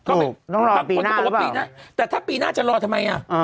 ถูกต้องรอปีหน้าหรือเปล่าแต่ถ้าปีหน้าจะรอทำไมอ่ะอืม